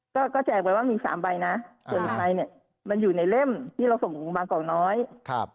ก็ก็แจกไปว่ามีสามใบนะส่วนใครเนี่ยมันอยู่ในเล่มที่เราส่งบางกอกน้อยครับ